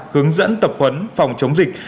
hướng dẫn tập huấn phòng chống dịch